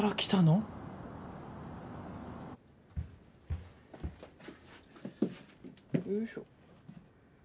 よいしょ。